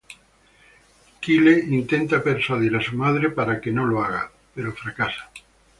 Kyle intenta persuadir a su madre para que no lo haga, pero fracasa.